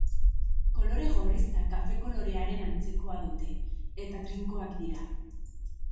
Kolore gorrizta kafe-kolorearen antzekoa dute eta trinkoak dira.